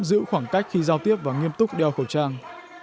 giữ khoảng cách khi giao tiếp và nghiêm túc đeo khẩu trang